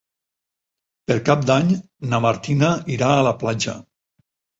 Per Cap d'Any na Martina irà a la platja.